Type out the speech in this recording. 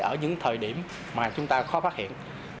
ở những thời điểm mà chúng ta khó phát hiện